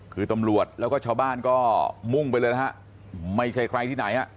คือตำรวจแล้วก็ชาวบ้านก็มุ่งไปเลยนะฮะไม่ใช่ใครที่ไหนอ่ะ